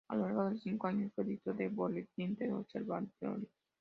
A lo largo de cinco años fue editor del boletín ""The Observatory"".